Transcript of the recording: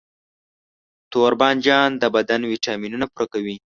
توربانجان د بدن ویټامینونه پوره کوي.